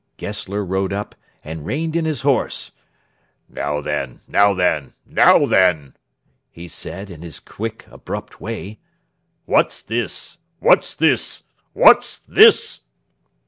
Gessler rode up, and reined in his horse. "Now then, now then, now then!" he said, in his quick, abrupt way. "What's this? what's this? what's this?"